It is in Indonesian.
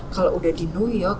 kalau udah di new york